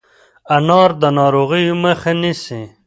انار د ناروغیو مخه نیسي.